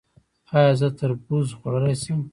ایا زه تربوز خوړلی شم؟